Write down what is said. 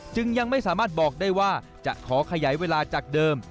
ยังไม่สามารถบอกได้ว่าจะขอขยายเวลาจากเดิม